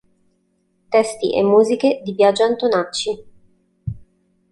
Testi e musiche di Biagio Antonacci.